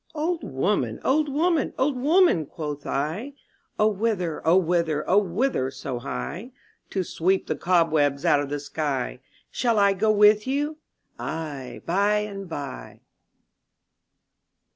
"Old woman, old woman, old woman,'* quoth I, '*0 whither, whither, whither so high?'' To sweep the cobwebs out of the sky!" "Shall I go with you?" "Ay, by and by."